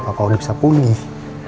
papa udah bisa pulih